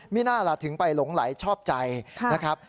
ไม่น่าล่ะถึงไปหลงไหลชอบใจนะครับ